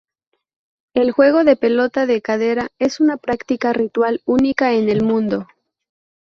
El juego de pelota de cadera es una práctica ritual única en el mundo.